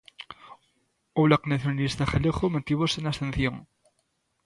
O Bloque Nacionalista Galego mantívose na abstención.